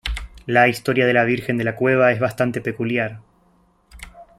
La historia de la Virgen de la Cueva es bastante peculiar.